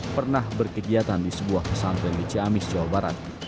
pernah berkegiatan di sebuah pesantren di ciamis jawa barat